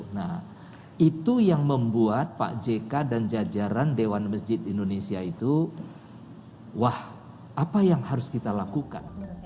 nah itu yang membuat pak jk dan jajaran dewan masjid indonesia itu wah apa yang harus kita lakukan